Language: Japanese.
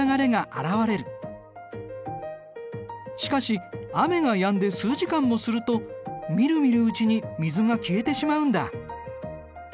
しかし雨がやんで数時間もするとみるみるうちに水が消えてしまうんだ。